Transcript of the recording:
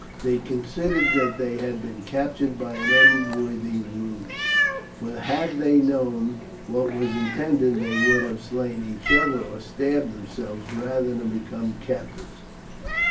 They considered that they had been captured by an unworthy ruse, for had they known what was intended they would have slain each other, or stabbed themselves, rather than become captives.